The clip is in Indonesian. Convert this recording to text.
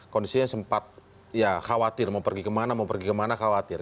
kondisinya sempat ya khawatir mau pergi kemana mau pergi kemana khawatir